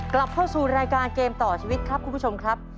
กลับเข้าสู่รายการเกมต่อชีวิตครับคุณผู้ชมครับ